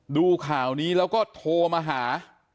ดูข่าวนี้แล้วก็โทรมาหา